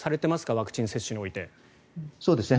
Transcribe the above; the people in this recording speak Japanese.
ワクチン接種に関して。